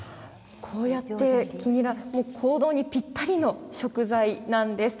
こうやって黄ニラ、坑道にぴったりの食材なんです。